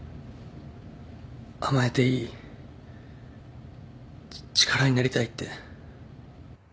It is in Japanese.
甘えていいち力になりたいって。